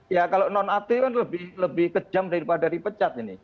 ya kalau nonaktifan lebih kejam daripada dipecat ini